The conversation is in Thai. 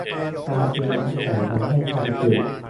การเคี้ยวน้ำแข็ง ทำให้ฟันสึก